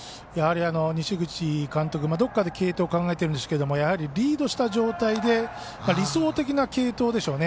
西口監督、どこかで継投考えてるんでしょうけどやはりリードした状態で理想的な継投でしょうね。